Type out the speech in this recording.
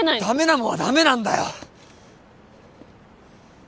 ダメなもんはダメなんだよ！